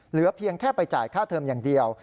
เหลือเพียงแค่ไปจ่ายค่าเทิมอย่างเดียว